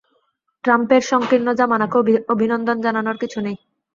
ট্রাম্পের সংকীর্ণ জামানাকে অভিনন্দন জানানোর কিছু নেই।